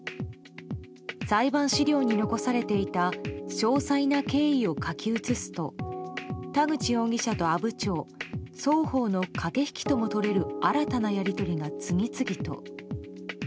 裁判資料に残されていた詳細な経緯を書き移すと田口容疑者と阿武町双方の駆け引きともとれる新たなやり取りが次々と。